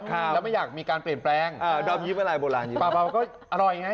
ครับแล้วไม่อยากมีการเปลี่ยนแปลงอ่าดอมยิปเวลาไหร่โบราณยิปเวลาก็อร่อยไง